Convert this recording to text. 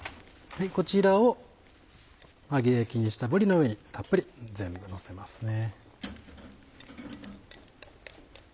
こちらを揚げ焼きにしたぶりの上にたっぷり全部のせますね。